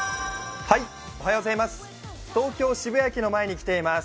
東京・渋谷駅の前に来ています。